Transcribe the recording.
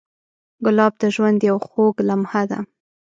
ګلاب د ژوند یو خوږ لمحه ده.